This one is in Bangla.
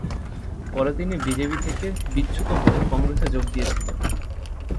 পরে তিনি বিজেপি থেকে বিচ্যুত হয়ে কংগ্রেসে যোগ দিয়েছিলেন।